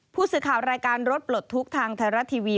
ผู้สื่อข่าวรายการรถปลดทุกข์ทางไทยรัฐทีวี